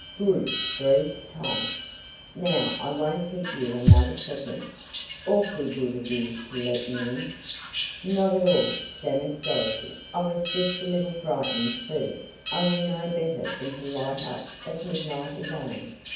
"Good," breathed Tom. "Now I won't keep you another second. Awfully good of you to let me in." "Not at all," stammered Dorothy. "I was just a little frightened first. I will know better than to light up at midnight again."